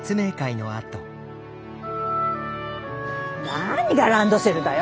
何がランドセルだよ！